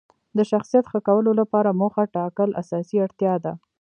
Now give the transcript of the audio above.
د شخصیت ښه کولو لپاره موخه ټاکل اساسي اړتیا ده.